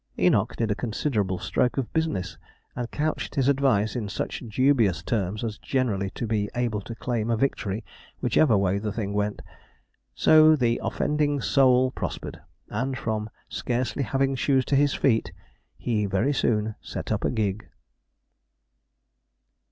Enoch did a considerable stroke of business, and couched his advice in such dubious terms, as generally to be able to claim a victory whichever way the thing went. So the 'offending soul' prospered; and from scarcely having shoes to his feet, he very soon set up a gig.